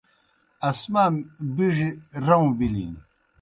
آسمان بِڙیْ رؤں بِلِن۔